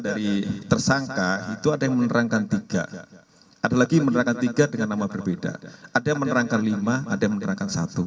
ada yang menerangkan lima ada yang menerangkan satu